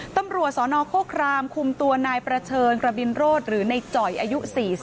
ตำรวจสนโคครามคุมตัวนายประเชิญกระบินโรธหรือในจ่อยอายุ๔๐